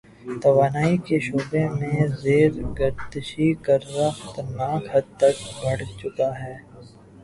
توانائی کے شعبے میں زیر گردشی قرضہ خطرناک حد تک بڑھ چکا ہے۔